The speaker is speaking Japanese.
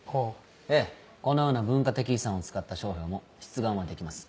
ええこのような文化的遺産を使った商標も出願はできます。